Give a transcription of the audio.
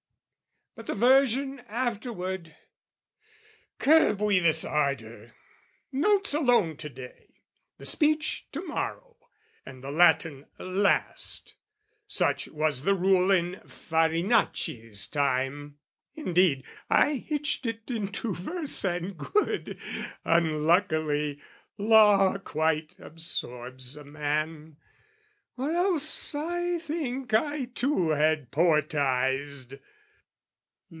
But the version afterward! Curb we this ardour! Notes alone, to day, The speech to morrow and the Latin last: Such was the rule in Farinacci's time. Indeed I hitched it into verse and good. Unluckily, law quite absorbs a man, Or else I think I too had poetised.